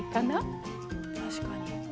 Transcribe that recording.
確かに。